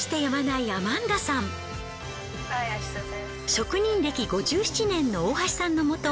職人歴５７年の大橋さんのもと